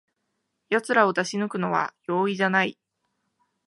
やつらを出し抜くのは容易じゃない